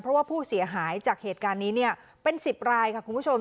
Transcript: เพราะว่าผู้เสียหายจากเหตุการณ์นี้เนี่ยเป็น๑๐รายค่ะคุณผู้ชม